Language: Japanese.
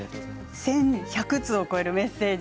１１００通を超えるメッセージ